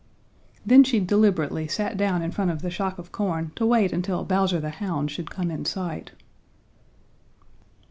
Then she deliberately sat down in front of the shock of corn to wait until Bowser the Hound should come in sight.